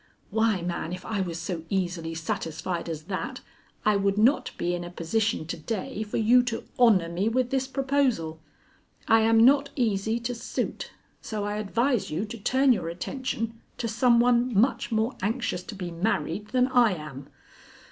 Why, man, if I was so easily satisfied as that, I would not be in a position to day for you to honor me with this proposal. I am not easy to suit, so I advise you to turn your attention to some one much more anxious to be married than I am.